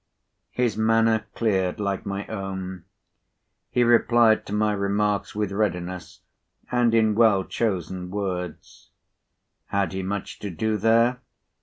His manner cleared, like my own. He replied to my remarks with readiness, and in well chosen words. Had he much to do there?